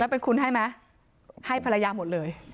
แล้วเป็นคุณให้ไหมให้พระยาถึงหมดเลย